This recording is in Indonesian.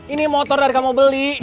ini motor dari kamu beli